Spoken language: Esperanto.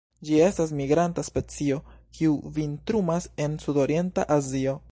Ĝi estas migranta specio, kiu vintrumas en sudorienta Azio.